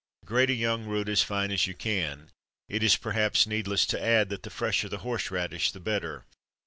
_ Grate a young root as fine as you can. It is perhaps needless to add that the fresher the horse radish the better.